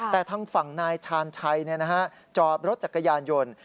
แต่ทางฝั่งนายชาญชัยจอบรถจักรยานยนต์